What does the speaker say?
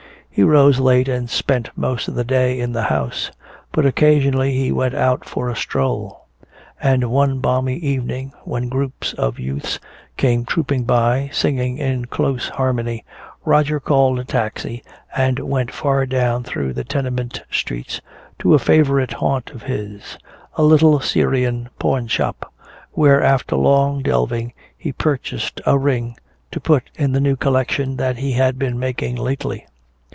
He rose late and spent most of the day in the house; but occasionally he went out for a stroll. And one balmy evening when groups of youths came trooping by, singing in close harmony, Roger called a taxi and went far down through the tenement streets to a favorite haunt of his, a little Syrian pawnshop, where after long delving he purchased a ring to put in the new collection that he had been making lately.